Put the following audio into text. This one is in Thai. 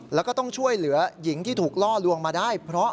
แล้วก็ต้องช่วยเหลือหญิงที่ถูกล่อลวงมาได้เพราะ